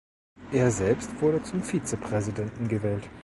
Er selbst wurde zum Vizepräsidenten gewählt.